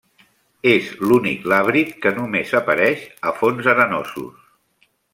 És l'únic làbrid que només apareix a fons arenosos.